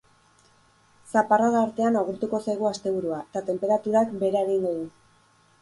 Zaparrada artean agurtuko zaigu asteburua eta tenperaturak behera egingo du.